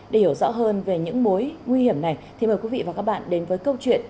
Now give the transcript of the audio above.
để hiểu rõ hơn về những mối nguy hiểm này thì mời quý vị và các bạn đến với câu chuyện